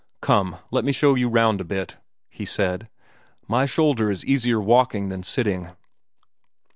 "Come, let me show you round a bit," he said. "My shoulder is easier walking than sitting."